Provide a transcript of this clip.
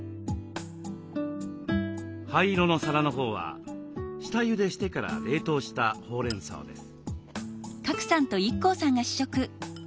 灰色の皿のほうは下ゆでしてから冷凍したほうれんそうです。